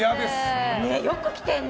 よく来てるね。